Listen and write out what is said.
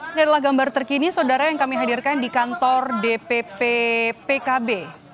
ini adalah gambar terkini saudara yang kami hadirkan di kantor dpp pkb